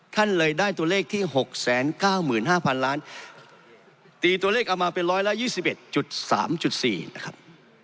ท่านเลยได้ตัวเลขที่๖๙๕๐๐๐ล้านตีตัวเลขเอามาเป็น๑๒๑๓๔นะครับ